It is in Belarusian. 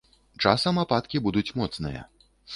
Часам ападкі будуць моцныя.